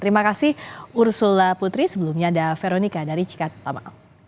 terima kasih ursula putri sebelumnya ada veronika dari cikatama